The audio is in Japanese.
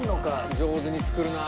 「上手に作るなあ」